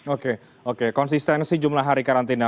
oke oke konsistensi jumlah hari karantina